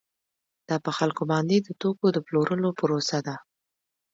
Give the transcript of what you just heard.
دا په خلکو باندې د توکو د پلورلو پروسه ده